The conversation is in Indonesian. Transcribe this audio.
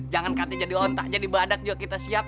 jangan kate jadi ontak jadi badak juga kita siap